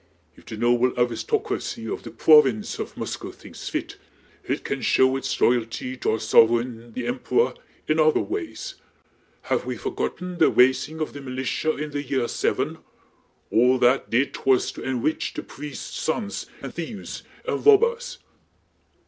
If the noble awistocwacy of the pwovince of Moscow thinks fit, it can show its loyalty to our sov'weign the Empewah in other ways. Have we fo'gotten the waising of the militia in the yeah 'seven? All that did was to enwich the pwiests' sons and thieves and wobbahs...."